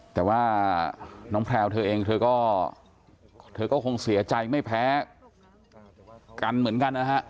แต่ว่าน้องแพลวเธอเองเธอก็เธอก็คงเสียใจไม่แพ้กันเหมือนกันนะฮะ